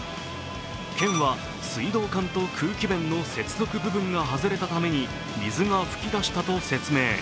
県は水道管と空気弁の接続部分が外れたために水が噴き出したと説明。